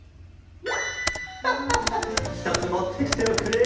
ハッハッハひとつもってきておくれ。